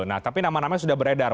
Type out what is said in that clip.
nah tapi nama namanya sudah beredar